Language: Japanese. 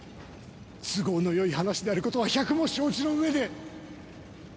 都合の良い話であることは百も承知の上で。